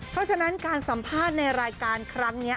เพราะฉะนั้นการสัมภาษณ์ในรายการครั้งนี้